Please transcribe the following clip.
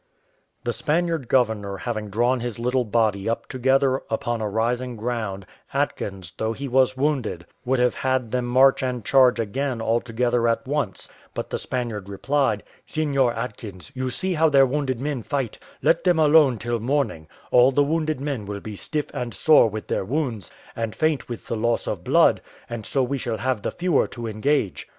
The Spaniard governor having drawn his little body up together upon a rising ground, Atkins, though he was wounded, would have had them march and charge again all together at once: but the Spaniard replied, "Seignior Atkins, you see how their wounded men fight; let them alone till morning; all the wounded men will be stiff and sore with their wounds, and faint with the loss of blood; and so we shall have the fewer to engage."